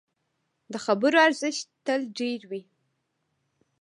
د خبرو ارزښت تل ډېر وي